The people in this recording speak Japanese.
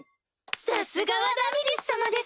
さすがはラミリス様です！